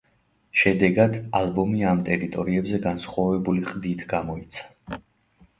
შედეგად, ალბომი ამ ტერიტორიებზე განსხვავებული ყდით გამოიცა.